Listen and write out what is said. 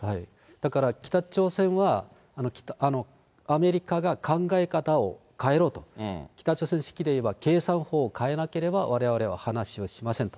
だから北朝鮮は、アメリカが考え方を変えろと、北朝鮮式でいえば、計算法を変えなければわれわれは話をしませんと。